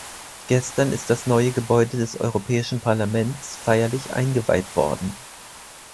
Gestern ist das neue Gebäude des Europäischen Parlaments feierlich eingeweiht worden.